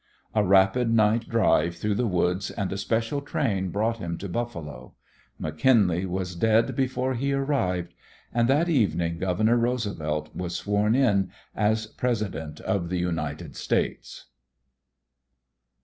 A rapid night drive through the woods and a special train brought him to Buffalo. McKinley was dead before he arrived, and that evening Governor Roosevelt was sworn in as President of the United States.